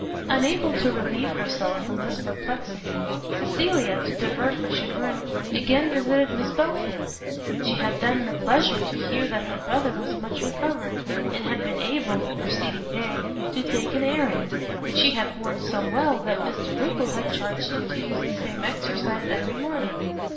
Unable to relieve herself from this perplexity, Cecilia, to divert her chagrin, again visited Miss Belfield. She had then the pleasure to hear that her brother was much recovered, and had been able, the preceding day, to take an airing, which he had borne so well that Mr Rupil had charged him to use the same exercise every morning.